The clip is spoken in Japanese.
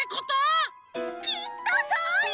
きっとそうよ！